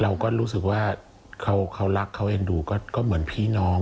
เราก็รู้สึกว่าเขารักเขาเอ็นดูก็เหมือนพี่น้อง